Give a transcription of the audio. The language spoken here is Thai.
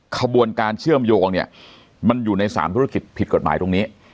ขบวนการเชื่อมโยงเนี่ยมันอยู่ใน๓ธุรกิจผิดกฎหมายตรงนี้